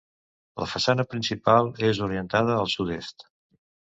La façana principal és orientada al sud-est.